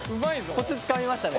コツつかみましたね。